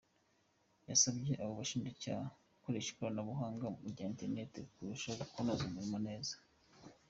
Yasabye abo bashinjacyaha gukoresha ikoranabuhanga rya internet mu kurushaho kunoza umurimo neza.